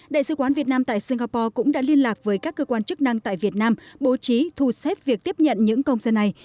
đại sứ quán việt nam tại singapore cũng đã liên lạc với các cơ quan chức năng tại việt nam bố trí thu xếp việc tiếp nhận những công dân này